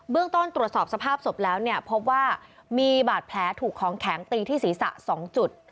ต้นตรวจสอบสภาพศพแล้วเนี่ยพบว่ามีบาดแผลถูกของแข็งตีที่ศีรษะ๒จุด